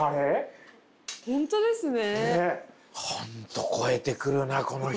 ホントですね。